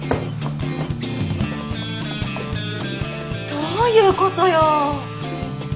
どういうことよ？